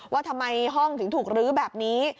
ว่าทำไมห้องถึงถูกลื้อแบบนี้